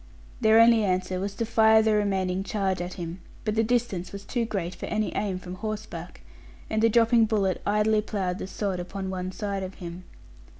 Their only answer was to fire the remaining charge at him; but the distance was too great for any aim from horseback; and the dropping bullet idly ploughed the sod upon one side of him.